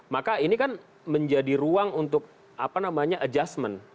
maka ini kan menjadi ruang untuk adjustment